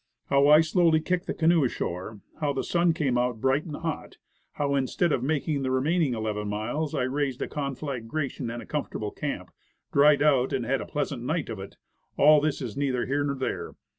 How I slowly kicked that canoe ashore; how the sun came out bright and hot; how, instead of making the remaining eleven miles, I raised a conflagration and a comfortable camp, dried out, and had a pleas ant night of it; all this is neither here nor there.